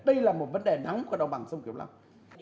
đây là một vấn đề nóng của đồng bằng sông kiều long